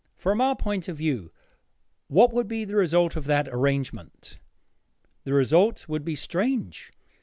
From our point of view, what would be the result of that arrangement? The result would be strange.